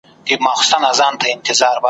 او سره له هغه چي په لویو `